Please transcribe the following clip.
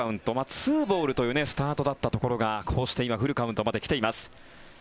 ２ボールというスタートだったところがこうして今フルカウントまで来ています。